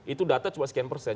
itu data cuma sekian persen